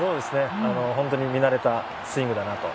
本当に見慣れたスイングだなと。